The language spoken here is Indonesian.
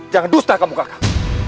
jangan dusta kamu kakak